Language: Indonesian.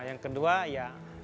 yang kedua ya